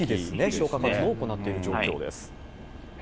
消火活動を行っている状況です。